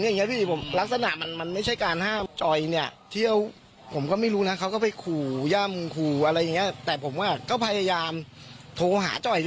เจ้าโดยนี้ที่ผมลักษณะมันไม่ใช่การห้ามจอยนี่เที่ยวผมก็ไม่รู้นะเค้าก็ไปคลุย่ำมาเลยนี้แต่ผมว่าก็พยายามโทรหาจ่อยด้วยนะ